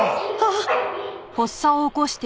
あっ！？